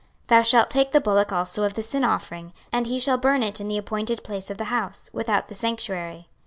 26:043:021 Thou shalt take the bullock also of the sin offering, and he shall burn it in the appointed place of the house, without the sanctuary.